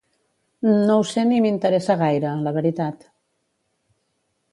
No ho sé ni m'interessa gaire, la veritat.